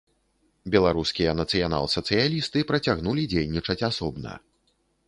Беларускія нацыянал-сацыялісты працягнулі дзейнічаць асобна.